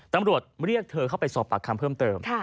ตำรวจเรียกเธอเข้าไปสอบปากคำเพิ่มเติม